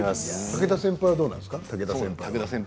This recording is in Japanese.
武田先輩はどうなんですか。